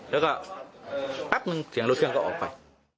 แล้วก็แป๊บนึงเสียงรถเครื่องก็ออกไป